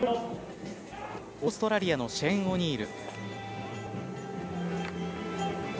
オーストラリアのシェーン・オニール。